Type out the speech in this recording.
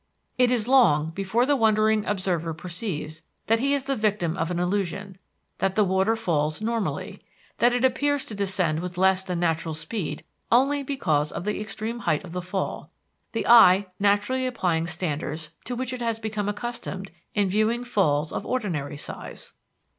It is long before the wondering observer perceives that he is the victim of an illusion; that the water falls normally; that it appears to descend with less than natural speed only because of the extreme height of the fall, the eye naturally applying standards to which it has been accustomed in viewing falls of ordinary size.